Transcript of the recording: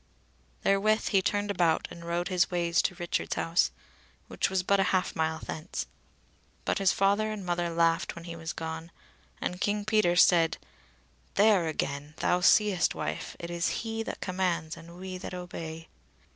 Therewith he turned about and rode his ways to Richard's house, which was but a half mile thence. But his father and mother laughed when he was gone, and King Peter said: "There again! thou seest, wife, it is he that commands and we that obey."